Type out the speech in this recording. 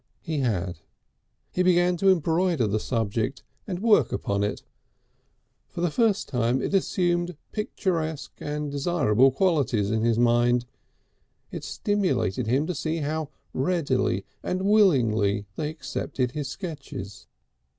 He had. He began to embroider the subject and work upon it. For the first time it assumed picturesque and desirable qualities in his mind. It stimulated him to see how readily and willingly they accepted his sketches.